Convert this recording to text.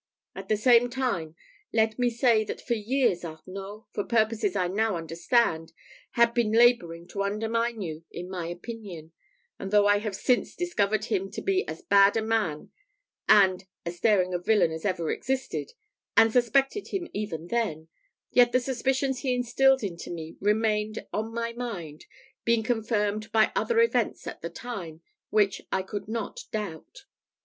At the same time, let me say, that for years, Arnault, for purposes I now understand, had been labouring to undermine you in my opinion; and, though I have since discovered him to be as bad a man and as daring a villain as ever existed, and suspected him even then, yet the suspicions he instilled into me remained on my mind, being confirmed by other events at the time which I could not doubt.